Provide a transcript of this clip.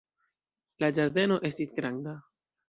La ĝardeno estis granda.